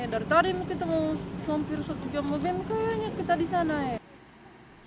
dari tadi mungkin kita mau hampir satu jam mungkin mungkin kita disana ya